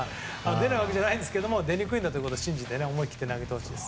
出ないわけじゃないんですけど出にくいことを信じて思い切って投げてほしいです。